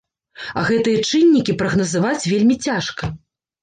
А гэтыя чыннікі прагназаваць вельмі цяжка.